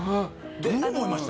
どう思いました？